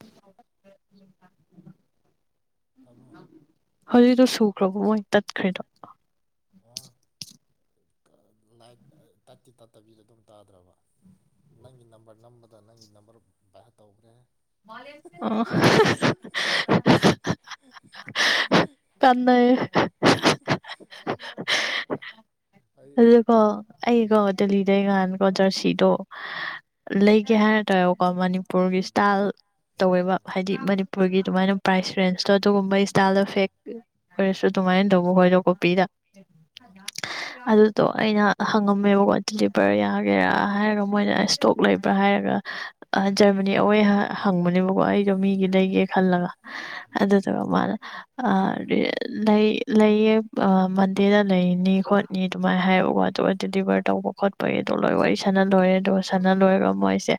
[unintelligible] ꯇꯥꯕ꯭ꯔꯣ ꯍꯧꯖꯤ ꯇꯁꯨꯣ ꯀ꯭ꯔꯣꯕꯣꯏ ꯇꯠꯈ꯭ꯔꯔꯤꯗꯣ ꯂꯥꯏꯠ ꯇꯠꯀꯤ ꯇꯠꯇꯕꯤꯗ ꯑꯗꯨꯝ ꯇꯥꯗ꯭ꯔꯕ ꯅꯪꯒꯤ ꯅꯝꯕꯔ ꯅꯝꯕꯗ ꯅꯪꯒꯤ ꯅꯝꯕꯔ ꯚꯥꯏ ꯇꯧꯈ꯭ꯔꯦ ꯑꯣ ꯀꯅꯥꯑ ꯑꯩ ꯑꯗꯨꯀꯣ ꯑꯩꯀꯣ ꯑꯥ ꯗꯂꯤꯗꯒꯥꯟ ꯣ ꯖꯔꯁꯤꯗꯣ ꯂꯩꯒꯦ ꯍꯥꯏꯔ ꯇꯥꯔꯦꯕꯀꯣ ꯃꯅꯤꯄꯨꯔꯒꯤ ꯎꯝ ꯏꯁꯇꯥꯏꯜ ꯇꯧꯋꯦꯕ ꯍꯥꯏꯗꯤ ꯃꯅꯤꯄꯨꯔꯒꯤ ꯑꯗꯨꯃꯥꯏꯅ ꯄ꯭ꯔꯥꯏꯁ ꯔꯦꯟꯁꯇꯣ ꯑꯗꯨꯒꯨꯝꯕ ꯏꯁꯇꯥꯏꯜꯗ ꯐꯦꯛ ꯑꯣꯏꯔꯁꯨ ꯑꯗꯨꯃꯥꯏꯅ ꯇꯧꯕ ꯈꯣꯏꯗꯣ ꯀꯣꯄꯤꯗ ꯑꯗꯨꯗꯣ ꯑꯩꯅ ꯍꯪꯉꯝꯃꯦꯕꯀꯣ ꯇꯗꯤꯂꯤꯕꯔ ꯌꯥꯒꯦꯔꯥ ꯍꯥꯏꯔꯒ ꯃꯣꯏꯅ ꯏꯁꯇꯣꯛ ꯂꯩꯕ꯭ꯔꯥ ꯍꯥꯏꯔꯒ ꯖꯔꯃꯅꯤ ꯑꯋꯦ ꯍꯪꯕꯅꯦꯕꯀꯣ ꯑꯩꯗꯣ ꯃꯤꯒꯤ ꯂꯩꯒꯦ ꯈꯜꯂꯒ ꯎꯝ ꯑꯗꯨꯗꯨꯒ ꯃꯥꯅ ꯂꯩ ꯂꯩꯌꯦ ꯃꯟꯗꯦꯗ ꯂꯩꯅꯤ ꯈꯣꯠꯅꯤ ꯅꯤ ꯑꯗꯨꯃꯥꯏꯅ ꯍꯥꯏꯌꯕꯀꯣ ꯑꯗꯨꯒ ꯗꯤꯂꯤꯚꯔ ꯇꯧꯕ ꯈꯣꯠꯄꯒꯤꯗꯣ ꯂꯣꯏ ꯋꯥꯔꯤ ꯁꯥꯟꯅ ꯂꯣꯏꯔꯦ ꯑꯗꯨꯒ ꯁꯥꯟꯅ ꯂꯣꯏꯔꯒ ꯃꯣꯏꯁꯦ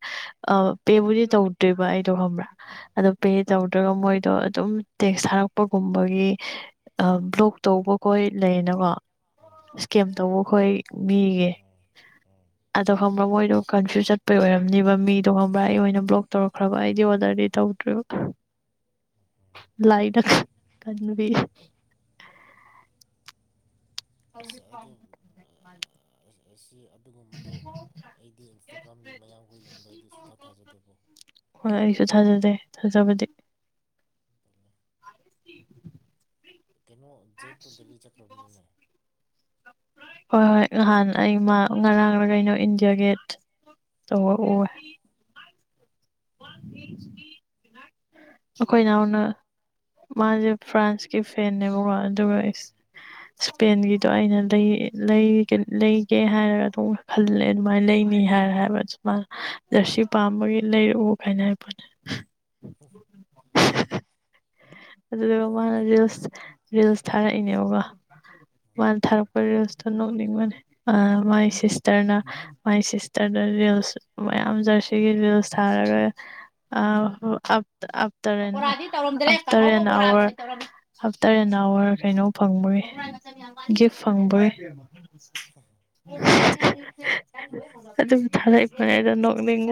ꯄꯦꯕꯨꯗꯤ ꯇꯧꯗꯣꯏꯕ ꯑꯩꯗꯣ ꯈꯪꯕ꯭ꯔꯥ ꯑꯗꯣ ꯄꯦ ꯇꯧꯗ꯭ꯔꯒ ꯃꯣꯏꯗꯣ ꯑꯗꯨꯝ ꯇꯦꯛꯁ ꯊꯥꯔꯛꯄꯒꯨꯝꯕꯒꯤ ꯕ꯭ꯂꯣꯛ ꯇꯧꯕꯈꯣꯏ ꯂꯩꯌꯦꯅꯀꯣ ꯎꯝ ꯀꯦꯝꯇꯧꯕ ꯑꯩꯈꯣꯏ ꯃꯤꯒꯤ ꯎꯝ ꯎꯝ ꯑꯗꯣ ꯈꯪꯕ꯭ꯔꯥ ꯃꯣꯏꯗꯣ ꯀꯟꯐ꯭ꯌꯨꯁ ꯆꯠꯄꯩ ꯑꯣꯏꯔꯝꯅꯤꯕ ꯃꯤꯗꯣ ꯈꯪꯕ꯭ꯔꯥ ꯑꯩ ꯑꯣꯏꯅ ꯕ꯭ꯂꯣꯛ ꯇꯧꯔꯛꯈ꯭ꯔꯕ ꯑꯩꯗꯤ ꯑꯣꯔꯗꯔꯗꯤ ꯇꯧꯗ꯭ ꯂꯥꯏꯅ ꯈꯟꯕꯤ ꯎꯝ [unintelligible] ꯑꯁꯤꯁꯤ ꯑꯗꯨꯒꯨꯝꯕꯗꯣ ꯑꯩꯗꯤ ꯏꯟꯁꯇꯥꯒ꯭ꯔꯥꯝꯒꯤ ꯃꯌꯥꯝ ꯀꯩꯒꯨꯝꯕꯗꯣ ꯑꯩꯗꯤ ꯁꯨꯊꯥ ꯊꯥꯖꯗꯦꯕꯣ ꯊꯖꯕꯗꯤ ꯇꯜꯂꯦ ꯀꯩꯅꯣ ꯖꯦꯛꯇꯨ ꯗꯦꯜꯂꯤ ꯆꯠꯈ꯭ꯔꯕꯅꯤꯅꯦ ꯍꯣꯏ ꯍꯣꯏ ꯅꯍꯥꯟ ꯑꯩꯃ ꯉꯔꯥꯡꯗ ꯀꯩꯅꯣ ꯏꯟꯗꯤꯌꯥ ꯒꯦꯠ ꯇꯧꯕ ꯎꯋꯦ ꯑꯩꯈꯣꯏ ꯅꯅꯥꯍꯎꯅ ꯃꯥꯁꯦ ꯐ꯭ꯔꯥꯟꯁꯀꯤ ꯐꯦꯟꯅꯦꯕꯀꯣ ꯑꯗꯨꯒ ꯏꯁꯄꯦꯟꯒꯤꯗꯣ ꯑꯩꯅ ꯂꯩꯒꯦ ꯍꯥꯏꯔꯒ ꯑꯗꯨꯝ ꯈꯜꯂꯦ ꯑꯗꯨꯃꯥꯏꯅ ꯂꯩꯅꯤ ꯍꯥꯏꯔ ꯍꯥꯏꯕꯃꯅ ꯖꯔꯁꯤ ꯄꯥꯝꯕꯒꯤ ꯂꯩ ꯀꯥꯏꯅꯕꯅꯦ ꯎꯝ ꯑꯗꯨ ꯍꯃꯅ ꯐ꯭ꯔꯥꯟꯁ ꯁꯦ ꯔꯤꯜꯁ ꯊꯥꯔꯛꯏꯅꯦꯕꯀ ꯃꯥꯅ ꯊꯥꯔꯛꯄ ꯔꯤꯜꯁꯇꯣ ꯅꯣꯛꯅꯤꯡꯕꯅꯦ ꯃꯥꯏ ꯁꯤꯁꯇꯔꯅ ꯃꯥꯏ ꯁꯤꯁꯇꯔꯗ ꯔꯤꯜꯁ ꯃꯌꯥꯝ ꯖꯔꯁꯤꯒꯤ ꯔꯤꯜꯁ ꯁꯥꯔꯔꯣꯏꯇꯇꯔ ꯑꯦ ꯑꯋꯥ ꯑꯞꯇꯔ ꯑꯦꯟ ꯑꯋꯥꯔ ꯀꯩꯅꯣ ꯐꯪꯕꯣꯏ ꯒꯤꯐ ꯐꯪꯕꯣꯏ ꯑꯗꯨꯕꯨ ꯊꯔ ꯐꯅꯦꯗ ꯦꯡ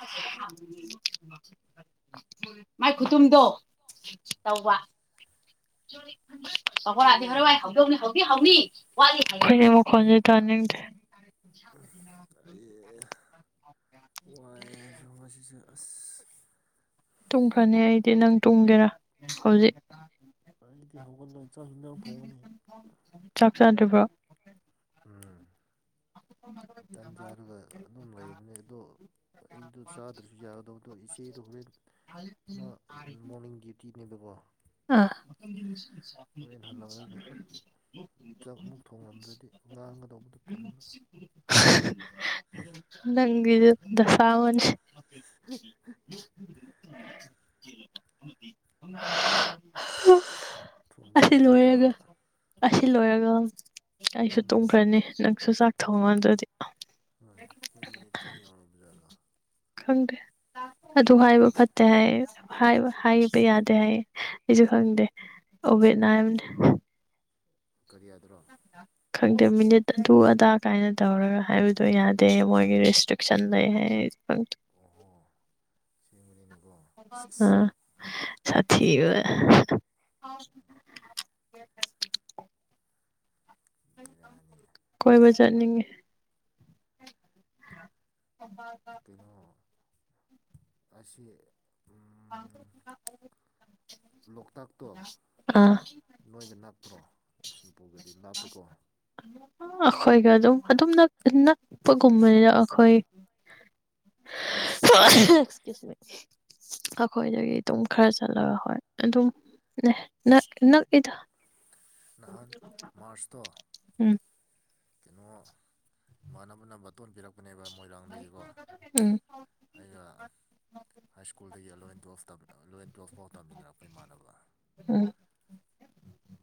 [unintelligible] ꯃꯥꯏ ꯈꯨꯇꯨꯝꯗꯣ ꯇꯧꯕ ꯈ ꯁꯒꯣ ꯑꯣ ꯑꯗꯤꯔ ꯍꯥꯏ ꯍꯕ ꯍ ꯑꯩꯈꯣꯏꯅꯦ ꯃꯈꯨꯣꯟꯁꯦ ꯇꯥꯅꯤꯡꯗ꯭ꯔꯦ ꯑꯩ [unintelligible] ꯌꯁꯤꯁꯨ ꯑꯁ ꯇꯨꯡꯈ꯭ꯔꯅꯤ ꯑꯩꯗꯤ ꯅꯪ ꯇꯨꯝꯒꯦꯔꯥ ꯍꯧꯖꯤꯛ ꯑꯗꯤ ꯍꯧꯒꯜ ꯂ ꯆ ꯏꯟꯅ ꯐꯣꯅꯦ ꯆꯥꯟꯗ꯭ꯔꯤꯕꯨꯔ ꯎꯝ ꯇꯟ ꯆꯥꯔꯒ ꯑꯗꯨꯝ ꯂꯩꯕꯅꯦ ꯑꯗꯣ ꯑꯩꯗꯣ ꯆꯥꯗ꯭ꯔꯁꯨ ꯌꯥꯒꯗꯧꯕꯗꯣ ꯏꯆꯦꯗꯣ ꯍꯣꯔꯦꯟ ꯃꯣꯔꯅꯤꯡ ꯗ꯭ꯌꯨꯇꯤ ꯅꯅꯤꯕꯒꯣ ꯑ ꯍꯜꯂꯛꯑꯒ ꯆꯥꯛ ꯑꯃꯨꯛ ꯊꯣꯡꯂꯝꯗ꯭ꯔꯗꯤ ꯉꯥꯡꯒꯗꯧꯕꯗꯣ ꯇꯟꯕ ꯂꯩ ꯒꯤ ꯗꯁꯥꯥꯎꯟ ꯎ [unintelligible] [unintelligible] ꯑꯁꯤ ꯊꯣꯡꯕꯤꯔꯝꯕ ꯂꯣꯏꯔꯒ ꯇꯥꯕ ꯑꯁꯤ ꯂꯣꯏꯔꯒ ꯑꯩꯁꯨ ꯎꯝ ꯇꯨꯝꯈ꯭ꯔꯅꯤ ꯅꯪꯁꯨ ꯆꯥꯛ ꯍꯣꯏ ꯊꯣꯡꯉꯣ ꯑꯗꯨꯗꯤ ꯍꯣꯏ ꯑꯩꯈꯣꯏ ꯃꯤꯅꯤꯠ ꯀꯌꯥ ꯌꯧꯔꯕꯖꯥꯠꯂꯣ ꯈꯪꯗꯦ ꯑꯗꯨ ꯍꯥꯏꯕ ꯐꯠꯇꯦ ꯍꯥꯏꯌꯦ ꯍꯥꯏꯕ ꯌꯥꯗꯦ ꯍꯥꯏꯌꯦ ꯑꯩꯁꯨ ꯈꯪꯗꯦ ꯑꯣꯕꯦꯠꯅ ꯍꯥꯏꯕꯅꯤ ꯀꯔꯤꯌꯥꯗ꯭ꯔ ꯈꯪꯗꯦ ꯃꯤꯅꯤꯠ ꯑꯗꯨ ꯑꯗꯥ ꯀꯥꯏꯅ ꯇꯧꯔꯒ ꯍꯥꯏꯕꯗꯣ ꯌꯥꯗꯦ ꯃꯣꯏꯒꯤ ꯔꯦꯁꯇ꯭ꯔꯤꯛꯁꯟ ꯂꯩ ꯍꯥꯏ ꯑꯣꯍꯣ ꯁꯦꯡꯕꯅꯤꯅꯦꯀꯣ ꯍ ꯑ ꯁꯤꯁ ꯑ ꯊ ꯕꯦꯔꯥꯅꯤꯅꯦ ꯑꯣꯏꯣꯏꯕ ꯆꯠꯅꯤꯡꯉꯦ ꯀꯩꯅꯣ ꯑꯁꯤꯁ ꯑ ꯂꯣꯛꯇꯥꯛꯇꯣ ꯑꯥ ꯅꯣꯏꯒꯤ ꯅꯥꯄꯥꯛ ꯍꯥꯞꯄ꯭ꯔꯣ ꯁꯤꯟꯄꯨꯒꯗꯤ ꯂꯥꯞꯄꯤꯦꯀꯣ ꯑꯩꯈꯣꯏꯒ ꯑꯗꯨꯝ ꯑꯗꯨꯝ ꯅꯛꯄꯒꯨꯝꯕꯅꯤꯅ ꯑꯩꯈꯣꯏ ꯑꯩꯈꯣꯏꯗꯒꯤ ꯑꯗꯨꯝ ꯈꯔ ꯆꯠꯂꯒ ꯍꯣꯏ ꯑꯗꯨꯝ ꯅꯛꯏꯗ ꯅꯍꯥꯟ ꯃꯥꯔꯁꯇꯣ ꯎꯝ ꯀꯩꯅꯣ ꯏꯃꯥꯟꯅꯕꯅ ꯕꯇꯣꯟ ꯄꯤꯔꯛꯄ ꯄꯅꯦꯕ ꯃꯣꯏꯔꯥꯡꯗꯒꯤꯀꯣ ꯎꯝ ꯑꯩꯒ ꯍꯥꯏ ꯁ꯭ꯀꯨꯜꯗꯒꯤ ꯑꯦꯂꯕꯦꯟ ꯇꯨꯋꯜꯞ ꯑꯦꯂꯚꯦꯟ ꯇꯨꯌꯦꯜꯐ ꯐꯥꯎ ꯇꯝꯃꯤꯟꯅꯔꯛꯄ ꯏꯃꯥꯟꯅꯕ ꯎꯝ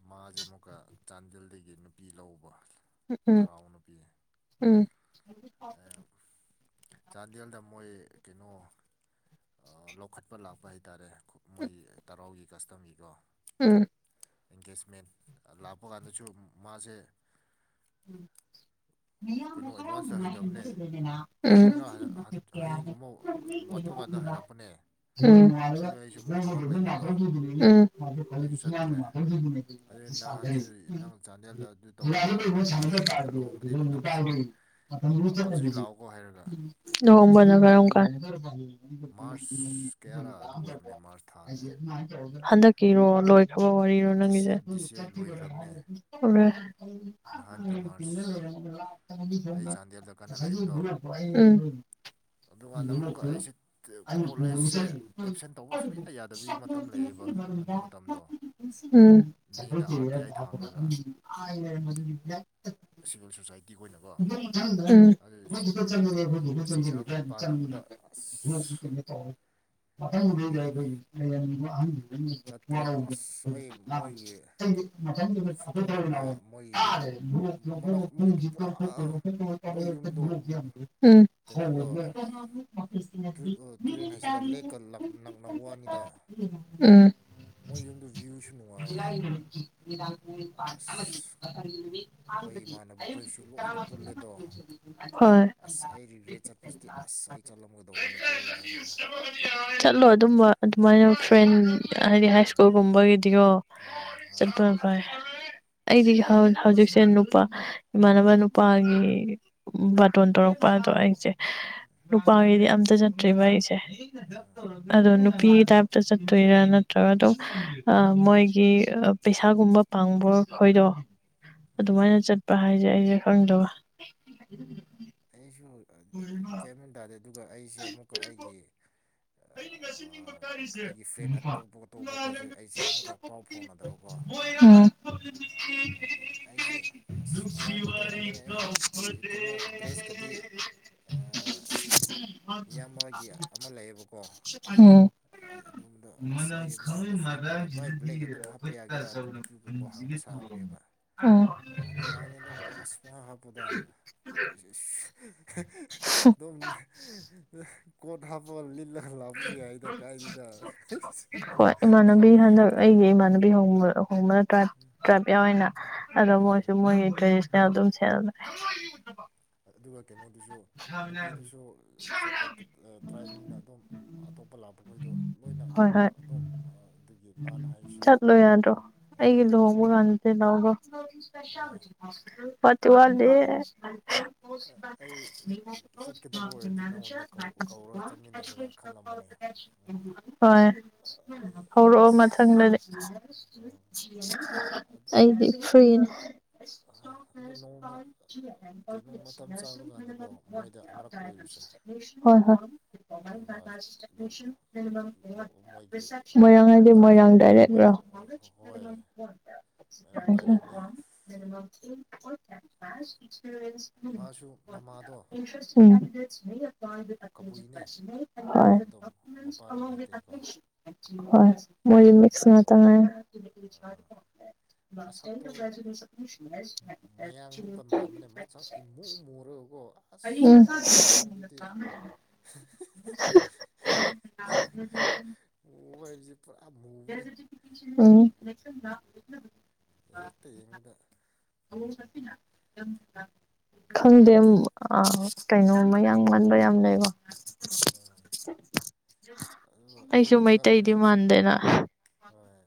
ꯃꯥꯁꯦ ꯑꯃꯨꯛꯀ ꯆꯥꯟꯗꯦꯜꯗꯒꯤ ꯅꯨꯄꯤ ꯂꯧꯕ ꯎꯝ ꯇꯔꯥꯎ ꯅꯨꯄꯤ ꯎꯝ ꯆꯥꯟꯗꯦꯜꯗ ꯃꯣꯏ ꯀꯩꯅꯣ ꯂꯧꯈꯠꯄ ꯂꯥꯛꯄ ꯍꯥꯏꯇꯥꯔꯦ ꯃꯣꯏ ꯇꯔꯥꯎꯒꯤ ꯀꯁꯇꯕꯤꯀꯣ ꯎꯝ ꯑꯦꯡꯒꯦꯖꯃꯦꯟ ꯂꯥꯛꯄ ꯀꯥꯟꯗꯁꯨ ꯃꯥꯁꯦ ꯎꯝ ꯀꯩꯅꯣ ꯑꯦꯗꯚꯥꯟꯁꯇ ꯍꯩꯇꯕꯅꯦ ꯍꯌꯦꯡꯔ ꯍꯌꯦꯡꯒꯨꯝꯕ ꯋꯥꯠꯄ ꯀꯥꯟꯗ ꯍꯩꯔꯛꯄꯅꯦ ꯑꯝ ꯑꯗꯨ ꯑꯩꯁꯨ ꯑꯃꯨꯛ ꯊꯕꯛ ꯂꯩꯔꯦꯗꯣ ꯑꯩꯁꯨ ꯆꯠꯇ꯭ꯔꯦ ꯑꯗꯨ ꯅꯍꯥꯟꯁꯨ ꯅꯪ ꯆꯥꯟꯗꯦꯜꯗ ꯑꯗꯨ ꯇꯧꯕ [unintelligible] ꯂꯥꯛꯑꯒ ꯁꯥꯟꯗ ꯑꯗꯨꯁꯨ ꯀꯥ ꯂꯥꯛꯇꯦ ꯂꯨꯍꯣꯡꯕꯗꯤ ꯅꯝꯐꯨ ꯀꯝꯄꯜꯁꯔꯤ ꯂꯥꯛꯑꯣꯀꯣ ꯍꯥꯏꯔꯒ ꯍꯣꯝꯕꯅꯒꯔꯝ ꯀꯥꯟ ꯎꯝ ꯃꯥꯔꯁ ꯀꯌꯥꯔꯥ ꯑꯗꯨ ꯑꯣꯏꯕꯅꯦ ꯃꯥꯔꯁ ꯊꯥꯅꯦ ꯍꯟꯗꯛꯀꯤꯔꯣ ꯂꯣꯏ [unintelligible] ꯋꯥꯔꯤꯔꯣ ꯗꯤꯁ ꯅꯪꯒꯤꯁꯦ ꯌꯔ ꯗꯤꯁ ꯌꯔ ꯂꯣꯏꯈ꯭ꯔꯕꯅꯦ ꯑꯣ ꯎꯝ ꯅꯍꯥꯟꯒꯤ ꯃꯥꯔꯁ ꯑꯩ ꯆꯥꯟꯗꯦꯜꯗ ꯀꯟꯅ ꯂꯩꯕꯗꯣ ꯑꯗꯨꯀꯥꯟꯗ ꯑꯃꯨꯛꯀ ꯑꯩꯁꯦ ꯀꯣꯂꯦꯖꯁꯦ ꯑꯦꯞꯁꯦꯟ ꯇꯧꯕ ꯁꯨꯡꯌꯥ ꯌꯥꯗꯕꯒꯤ ꯃꯇꯝ ꯂꯩꯌꯦꯕ ꯑꯗꯨ ꯃꯇꯝꯗꯣ ꯃꯤꯅ ꯑꯥꯔ ꯇꯤ ꯑꯥꯏ ꯊꯥꯡꯂꯒ ꯆ꯭ꯔ ꯑ ꯁꯤꯚꯤꯜ ꯁꯣꯁꯥꯏꯇꯤ ꯑꯣꯏꯅꯀꯣ ꯑꯗꯨ ꯗ ꯑꯩ ꯆꯪꯦ ꯑꯗꯨ ꯑꯩꯈꯣꯏ ꯗ ꯆꯦ ꯆꯥꯡ ꯄꯥꯅꯕꯗ ꯆꯪꯁꯤꯜꯜꯂꯤꯅꯣ ꯑꯁ ꯇꯧ ꯑꯗꯨꯒꯤ ꯃꯪꯗ ꯑꯩꯈꯣꯏ ꯑꯍ ꯃꯊ ꯆꯠꯇ꯭ꯔꯦ ꯑꯁ ꯑꯩ ꯃꯣꯏꯒꯤ ꯐꯣꯇꯣꯒꯨꯝꯕ ꯃꯣꯏ ꯌꯨꯝ ꯃꯅꯥꯛ ꯃꯣꯏꯗꯨ ꯄꯨꯔꯥ ꯃꯣꯏ ꯌꯨꯝꯗꯣ ꯀꯩꯅꯣꯒ ꯇꯨꯔꯦꯟ ꯍꯥꯏꯁꯤꯔꯥ ꯂꯦꯛꯀ ꯅꯛꯅꯕ ꯋꯥꯅꯤꯗ [unintelligible] [unintelligible] ꯔꯦ ꯎꯝ ꯃꯣꯏ ꯌꯨꯝꯗ ꯚ꯭ꯌꯨꯁꯨ ꯅꯨꯡꯉꯥꯏꯌꯦ ꯏ ꯎ ꯑꯁ ꯄꯅꯤ ꯑꯩꯈꯣꯏ ꯏꯃꯥꯟꯅꯕ ꯈꯣꯏꯁꯨ ꯂꯣꯏꯅ ꯄꯨꯜꯂꯦꯗꯣ ꯑꯁ ꯑꯩ ꯔꯤꯒ꯭ꯔꯦꯠ ꯆꯠꯄꯁꯤꯗꯤ ꯑꯁ ꯑꯩ ꯆꯠꯂꯝꯒꯗꯧꯕꯅꯤꯀꯣ ꯍꯥꯏꯔꯒ [inaudible] ꯂꯣ ꯑꯗꯨꯝꯕ ꯑꯗꯨꯃꯥꯏꯅ ꯐ꯭ꯔꯦꯟ ꯍꯥꯏꯗꯤ ꯍꯥꯏ ꯁ꯭ꯀꯨꯜꯒꯨꯝꯕꯒꯤꯗꯤꯀꯣ ꯆꯠꯄꯅ ꯐꯩ ꯑꯩꯗꯤ ꯍꯧꯖꯤꯛꯁꯦ ꯅꯨꯄꯥ ꯏꯃꯥꯟꯅꯕ ꯅꯨꯄꯥꯒꯤ ꯕꯥꯇꯣꯟ ꯇꯧꯔꯛꯄ ꯑꯗꯣ ꯑꯩꯁꯦ ꯅꯨꯄꯥꯒꯤꯗꯤ ꯑꯝꯇ ꯆꯠꯇ꯭ꯔꯤꯕ ꯑꯩꯁꯦ ꯑꯗꯣ ꯅꯨꯄꯤ ꯇꯥꯏꯞꯇ ꯆꯠꯇꯣꯏꯔꯥ ꯅꯠꯇ꯭ꯔꯒ ꯑꯗꯨꯝ ꯃꯣꯏꯒꯤ ꯄꯩꯁꯥꯒꯨꯝꯕ ꯄꯥꯡꯕ ꯈꯣꯏꯗꯣ ꯑꯗꯨꯃꯥꯏꯅ ꯆꯠꯄ ꯍꯥꯏꯁꯦ ꯑꯩꯁꯦ ꯈꯪꯗꯕ ꯍ ꯍꯕ ꯑꯗꯨꯒ ꯑꯩꯁꯦ ꯑꯃꯨꯛꯀ ꯑꯩꯒꯤ ꯑꯩꯅ ꯉꯁꯤꯕ ꯀꯥꯔꯤꯁꯦ ꯑꯩꯒꯤ ꯐ꯭ꯔꯦꯟ ꯑꯇꯣꯞ ꯑꯇꯣꯞꯄ ꯑꯩꯈꯣꯏꯁꯦ ꯑꯩꯁꯦ ꯑꯃꯨꯛꯀ ꯄꯥꯎ ꯐꯥꯎꯅꯗꯕꯀꯣ ꯑꯩꯁꯦ ꯑꯁ ꯄ꯭ꯂꯥꯟꯗꯤ ꯇꯧꯔꯝꯕꯅꯦ ꯑꯩ ꯑꯩ ꯀꯩꯅꯣ ꯗ꯭ꯔꯦꯁꯀꯗꯤ ꯏꯌꯥꯝꯕꯒꯤ ꯑꯃ ꯂꯩꯌꯦꯕꯀꯣ ꯑꯗꯨꯝꯕꯗꯣ ꯎ ꯑꯁ ꯃꯅꯝ ꯑꯩ ꯈꯪꯉꯤ ꯃꯉꯣꯟꯗ ꯐꯣꯟ ꯇꯧꯔ ꯚꯥꯏ ꯕ꯭ꯂꯦꯛ ꯑꯗꯨꯝ ꯍꯥꯞꯄ ꯃꯔꯥꯡꯁꯤꯗꯗꯤꯈꯣꯏ ꯌꯥꯒꯦꯔꯥ ꯆꯥꯎꯅ ꯑꯗꯨꯒꯨꯝꯕ ꯍꯪꯕ ꯁꯥꯕꯅꯦꯕ ꯌꯥꯅꯤ ꯌꯥꯅꯤ ꯁ ꯑꯗꯨꯣꯝ ꯀꯣ ꯊ ꯍꯕꯣ ꯂꯂ ꯍꯣꯏ ꯏꯃꯥꯟꯅꯕꯤ ꯍꯟꯗꯛ ꯑꯩꯒꯤ ꯏꯃꯥꯟꯅꯕꯤꯕ ꯍꯣꯡꯕ ꯇ꯭ꯔꯞ ꯇ꯭ꯔꯞ ꯌꯥꯎ ꯑꯣꯏꯅ ꯑꯗꯣ ꯑ ꯃꯣꯏꯁꯨ ꯃꯣꯏꯒꯤꯟꯇꯔꯦꯁ ꯑꯗꯨꯝ ꯁꯦꯦ ꯑꯗꯨꯒ ꯀꯩꯅꯣꯗꯨꯁꯨ ꯅꯨꯄꯤꯗꯨꯁꯨ ꯇ꯭ꯔꯥꯏꯞꯅꯤꯅ ꯑꯗꯨꯝ ꯑꯇꯣꯞꯄ ꯂꯥꯛꯄ ꯈꯣꯏꯗꯣ ꯂꯣꯏꯅ ꯍꯣꯏ ꯍꯣꯏ ꯑꯗꯨꯝ ꯑꯗꯨꯒꯤ ꯃꯥꯅ ꯍꯥꯏꯔꯤꯁꯤꯅ ꯆꯠꯂꯣ ꯌꯥꯗ꯭ꯔꯣ ꯍꯣꯏ [unintelligible] ꯇ ꯋꯥꯂꯦ ꯑꯗꯨ ꯑ- ꯍꯣꯁꯕ ꯑꯩ ꯆꯠꯀꯗꯕ ꯑꯣꯏꯔꯗꯤ ꯅꯪꯉꯣꯟꯗ ꯀꯧ- ꯀꯧꯔꯒ ꯆꯠꯃꯤꯟꯅꯁꯤꯔ ꯈꯜꯂꯝꯕꯅꯦ ꯍꯣꯏ ꯑꯗꯒꯤ ꯍꯧꯔꯛꯑꯣ ꯑꯁ ꯃꯊꯪꯗꯗꯤ ꯑ, ꯑꯗꯣ ꯑꯩꯗꯤ ꯐ꯭ꯔꯤꯅꯦ ꯑꯗꯣ ꯅꯣꯡꯃ ꯀꯩꯅꯣ ꯃꯇꯝ ꯆꯥꯕ ꯀꯥꯟꯗꯀꯣ [unintelligible] ꯃꯣꯏꯗ ꯑꯃꯔꯛ ꯀꯣꯏꯔꯨꯁꯦ ꯍꯣꯏ ꯍꯣꯏ ꯑꯦ ꯃꯥ ꯑꯗꯨꯝ ꯂꯣ- ꯃꯣꯏꯒꯤ ꯃꯣꯏꯔꯥꯡ ꯍꯥꯏꯗꯤ ꯂꯣꯛꯇꯥꯛꯇ ꯃꯣꯏꯔꯥꯡ ꯑ, ꯗꯥꯏꯔꯦꯛ꯭ꯔꯣ ꯃꯣꯏꯔꯥꯡ ꯍꯣꯏ ꯃꯣꯏꯔꯥꯡ ꯗꯥꯏꯔꯦꯛꯅꯦ [unintelligible] ꯃꯥꯁꯨ ꯃꯃꯥꯗꯣ ꯎꯝ ꯀꯕꯨꯏꯅꯦ ꯏꯃꯥꯟꯅꯕꯗꯣ ꯃꯄꯥꯅ ꯍꯣꯏ ꯃꯩꯇꯩꯀꯣ ꯍꯣꯏ ꯃꯣꯔ ꯃꯤꯛꯁ ꯉ ꯑꯗꯣ ꯇꯉꯥꯏꯦ ꯃꯁꯛꯇꯣ ꯃꯌꯥꯡꯃꯨꯛꯀ ꯃꯥꯟꯕꯅꯦ ꯃꯁꯛ ꯏꯃꯨ ꯃꯨꯔꯒꯀꯣ ꯑ ꯑꯁ ꯃꯥ ꯈꯨꯃꯨꯗꯨꯗꯤ ꯃꯨꯕ ꯍꯥꯏꯕꯁꯤ ꯄꯨꯔꯥ ꯃꯨꯕꯅꯦ [unintelligible] [inaudible] [unintelligible] ꯎꯝ꯫ [unintelligible] ꯑꯦꯛꯇ ꯌꯦꯡꯕꯗ ꯈꯪꯗꯦ ꯑꯩ ꯀꯩꯅꯣꯃ ꯌꯥꯡ ꯃꯟꯕ ꯌꯥꯝ ꯂꯩꯕ ꯑꯗꯨꯒ ꯑꯩꯁꯨ ꯑꯩꯗꯤ ꯉꯛꯄꯅꯦ ꯃꯩꯇꯩꯗꯤ ꯃꯥꯟꯗꯦꯅ ꯍꯣꯏ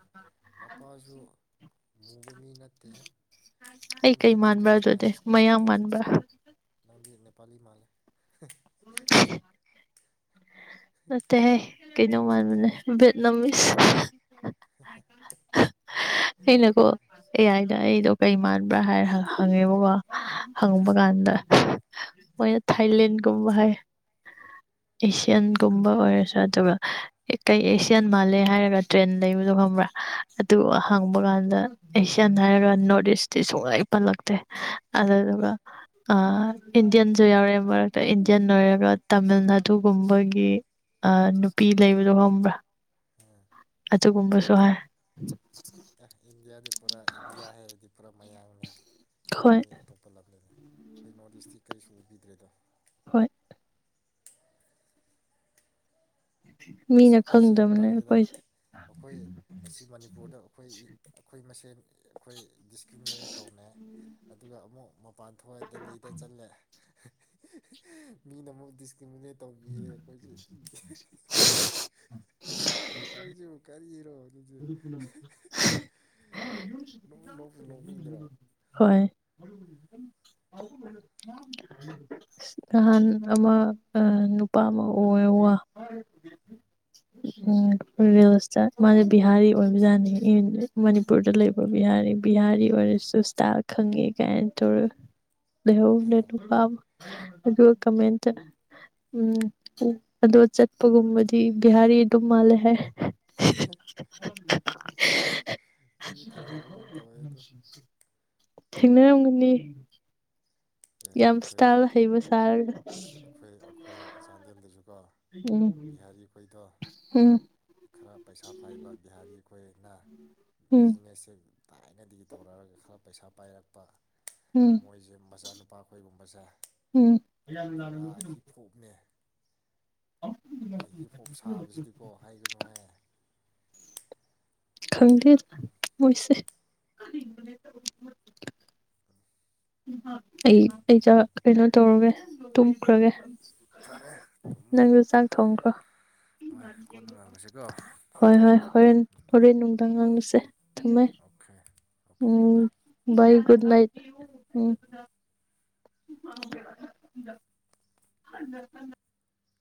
ꯃꯄꯥꯁꯨ ꯃꯨꯕ ꯃꯤ ꯅꯠꯇꯦ ꯑꯩ ꯑꯗꯨꯝ ꯀꯩ ꯃꯩꯇꯩ ꯃꯥꯟꯕ꯭ꯔꯥ ꯃꯥꯜꯂꯦ ꯑꯗꯨꯗꯤ ꯃꯌꯥꯡ ꯃꯥꯟꯕ꯭ꯔꯥ? ꯄꯥꯂꯤ ꯃꯥꯂꯦ꯫ [unintelligible] ꯅꯠꯇꯦꯍꯦ! ꯀꯩꯩꯅꯣ ꯃꯥꯟꯕꯅꯦ ꯚꯦꯠꯅꯥꯃꯤꯁ꯫ ꯑꯩꯅꯀꯣ ꯑꯦ ꯌꯥꯏꯗꯣ ꯑꯩꯗꯣ ꯀꯩ ꯃꯥꯟꯕ꯭ꯔꯥ ꯍꯥꯏꯔ ꯍꯪꯉꯦꯕꯀꯣ ꯍꯪꯕ ꯀꯥꯟꯗ ꯃꯣꯏꯅ ꯊꯥꯏꯂꯦꯟꯒꯨꯝꯕ ꯍꯥꯏ ꯑꯦꯁꯤꯌꯥꯟ ꯒꯨꯝꯕ ꯑꯣꯏꯔꯁꯨ ꯑꯗꯨꯒ ꯀꯩ ꯑꯦꯁꯤꯌꯥꯟ ꯃꯥꯜꯂꯦ ꯍꯥꯏꯔꯒ ꯇ꯭ꯔꯦꯟ ꯂꯩꯕꯗꯣ ꯈꯪꯕ꯭ꯔꯥ ꯑꯗꯨ ꯑꯍꯥꯡꯕ ꯀꯥꯟꯗ ꯑꯦꯁꯤꯌꯥꯟ ꯍꯥꯏꯔꯒ ꯅꯣꯔꯠ ꯏꯁꯇꯤ ꯁꯨꯡꯂꯩ ꯄꯜꯂꯛꯇꯦ ꯑꯗꯨꯗꯨꯒ ꯏꯟꯗꯤꯌꯟꯁꯨ ꯌꯥꯎꯔꯛꯑꯦ ꯃꯔꯛꯇ ꯏꯟꯗꯤꯌꯟ ꯑꯣꯏꯔꯒ ꯇꯥꯃꯤꯜ ꯅꯥꯗꯨꯒꯨꯝꯕꯒꯤ ꯅꯨꯄꯤ ꯂꯩꯕꯗꯣ ꯈꯪꯕ꯭ꯔꯥ ꯑꯗꯨꯒꯨꯝꯕꯁꯨ ꯍꯥꯏ ꯫ ꯗꯤꯗꯦ ꯄꯨꯔꯥ ꯏꯟꯗꯤꯌꯥ ꯍꯥꯏꯔꯗꯤ ꯄꯨꯔꯥ ꯃꯌꯥꯡꯅꯤ꯫ ꯍꯣꯏ ꯃꯤ ꯑꯇꯣꯞꯄ ꯂꯝꯗꯒꯤ ꯑꯩꯈꯣꯏ ꯅꯣꯔꯠ ꯏꯁꯀꯤ ꯀꯔꯤꯁꯨ ꯎꯕꯤꯗ꯭ꯔꯦꯗꯣ ꯍꯣꯏ꯫ ꯑꯁ ꯃꯤꯅ ꯑꯩꯈꯣꯏꯁꯦ ꯈꯪꯗꯕꯅꯦ ꯇꯜꯂꯦꯗ ꯑꯩꯈꯣꯏꯁꯦ ꯑꯩꯈꯣꯏ ꯑꯁꯤ ꯃꯅꯤꯄꯨꯔꯗ ꯑꯩꯈꯣꯏ ꯑꯩꯈꯣꯏ ꯃꯁꯦꯟ ꯑꯩꯈꯣꯏ ꯗꯤꯁꯀ꯭ꯔꯤꯃꯤꯅꯦꯠ ꯇꯧꯅꯩ ꯑꯗꯨꯒ ꯑꯃꯨꯛ ꯃꯄꯥꯟ ꯊꯣꯛꯑꯦ ꯗꯦꯜꯂꯤꯗ ꯆꯠꯂꯦ ꯃꯤꯅ ꯑꯃꯨꯛ ꯗꯤꯁ [unintelligible] ꯇꯧꯈꯤꯌꯦ ꯑꯩꯈꯣꯏꯁꯦ ꯑꯈꯣꯏ ꯁꯤꯕꯨ ꯀꯔꯤꯔꯣ? ꯑꯗꯨꯗꯤ ꯅꯣꯛꯄꯨ ꯅꯣꯛꯅꯤꯡꯗ꯭ꯔꯣ [unintelligible] ꯍꯣꯏ꯫ ꯅꯍꯥꯟ ꯑꯃ ꯑꯥ ꯅꯨꯄꯥ ꯑꯃ ꯑꯣꯏ ꯋꯥ ꯎꯝ ꯔꯤꯜꯁꯇ ꯃꯥꯁꯦ ꯕꯤꯍꯥꯔꯤ ꯑꯣꯏꯕꯖꯥꯠꯅꯤ ꯃꯅꯤꯄꯨꯔꯗ ꯂꯩꯕ ꯕꯤꯍꯥꯔꯤ ꯕꯤꯍꯥꯔꯤ ꯑꯣꯏꯔꯁꯨ ꯏꯁꯇꯥꯜ ꯈꯪꯉꯦ ꯀꯥꯏꯅ ꯇꯧꯔꯒ ꯂꯩꯍꯧ ꯅꯨꯄꯥ ꯑꯗꯨꯒ ꯀꯃꯦꯟꯇ ꯎꯝ ꯑꯗꯣ ꯆꯠꯄꯒꯨꯝꯕꯗꯤ ꯕꯤꯍꯥꯔꯤ ꯑꯗꯨꯝ ꯃꯥꯜꯂꯦ ꯍꯥꯏꯌꯦ꯫ ꯑꯩꯁꯨ ꯊꯦꯡꯅꯕꯒꯨꯝ ꯇꯣꯏ ꯑꯗꯣ ꯫ ꯊꯦꯡꯅꯔꯝꯒꯅꯤ ꯑꯦ ꯌꯥꯝ ꯑꯩꯈꯣꯏ ꯁꯇꯥꯏꯜ ꯍꯩꯕ ꯁꯥꯔꯒ ꯑꯩꯈꯣꯏ ꯑꯩꯈꯣꯏ ꯆꯥꯟꯗꯦꯜꯗꯁꯨꯀꯣ ꯎꯝ ꯕꯤꯍꯥꯔꯤ ꯑꯩꯈꯣꯏꯗꯣ ꯎꯝ ꯈꯔ ꯄꯩꯁꯥ ꯐꯥꯏꯕ ꯕꯤꯍꯥꯔꯤ ꯑꯩꯈꯣꯏꯅ ꯎꯝ ꯕꯤꯖꯤꯅꯦꯁꯁꯦ ꯊꯥꯏꯅꯗꯒꯤ ꯇꯧꯔꯛꯑꯒ ꯈꯔ ꯄꯩꯁꯥ ꯄꯥꯏꯔꯛꯄ ꯎꯝ ꯃꯣꯏꯁꯦ ꯃꯆꯥꯅꯨꯄꯥ ꯑꯩꯈꯣꯏꯒꯨꯝꯕꯁꯦ ꯎꯝ ꯄꯨꯔꯥ ꯍꯤꯞꯀꯣꯞꯅꯦ ꯑꯩ ꯍꯤꯄꯣꯛꯞ ꯁꯥꯕꯁꯤꯗꯤꯀꯣ ꯍꯥꯏꯒꯅꯨ ꯍꯥꯏ ꯈꯪꯗꯦꯗ ꯃꯣꯏꯁꯦ ꯑꯩ ꯑꯩꯗ ꯀꯩꯅꯣ ꯇꯧꯔꯒꯦ ꯇꯨꯝꯈ꯭ꯔꯒꯦ ꯐꯔꯦ ꯇꯨꯝꯃꯣ ꯅꯪꯁꯨ ꯆꯥꯛ ꯊꯣꯡꯈ꯭ꯔꯣ ꯍꯣꯏ ꯀꯣꯟꯅ ꯉꯥꯡꯅꯁꯤꯀꯣ ꯍꯣꯏ ꯍꯣꯏ ꯍꯣꯔꯦꯟ ꯍꯣꯔꯦꯟ ꯅꯨꯡꯗꯥꯡ ꯉꯥꯡꯂꯨꯁꯦ ꯊꯨꯝꯃꯦ ꯑꯣꯀꯦ ꯑꯣꯀꯦ ꯕꯥꯏ ꯎꯝ ꯕꯥꯏ ꯒꯨꯗ ꯏ ꯨꯗ ꯅꯥꯏꯠ ꯎꯝ ꯍ ꯍꯅ ꯊ